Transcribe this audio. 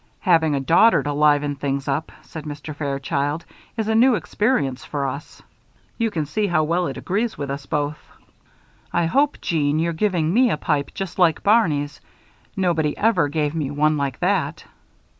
"Having a daughter to liven things up," said Mr. Fairchild, "is a new experience for us. You can see how well it agrees with us both. I hope, Jeanne, you're giving me a pipe just like Barney's nobody ever gave me one like that."